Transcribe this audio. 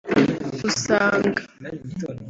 usanga